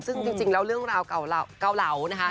ซึ่งจริงแล้วเรื่องราวเก่าเหลานะคะ